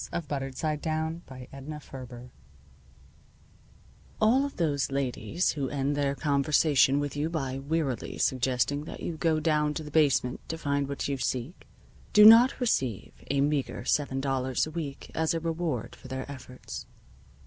VI ONE OF THE OLD GIRLS All of those ladies who end their conversation with you by wearily suggesting that you go down to the basement to find what you seek, do not receive a meager seven dollars a week as a reward for their efforts.